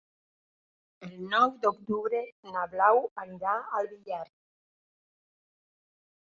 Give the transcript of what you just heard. El nou d'octubre na Blau anirà al Villar.